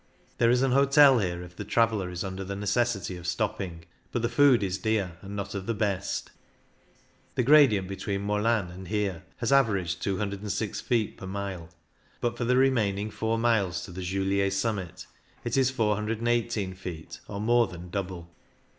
There is an hotel here, if the traveller is under the necessity of stopping, but the food is dear, and not of the best The gradient be tween Molins and here has averaged 206 82 CYCLING IN THE ALPS feet per mile, but for the remaining four miles to the Julier summit it is 418 feet, or more than double.